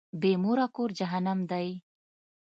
بی موره کور جهنم دی.